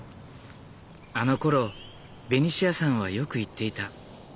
あのころベニシアさんはよく言っていた。